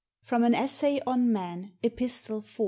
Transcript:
n FROM "AX ESSAY ON MAX, EPISTLE IV.